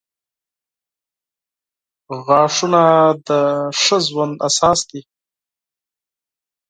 • غاښونه د ښه ژوند اساس دي.